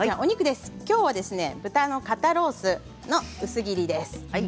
きょうは豚の肩ロースの薄切りです。